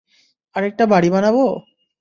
আরেকটা বাড়ি বানাবো!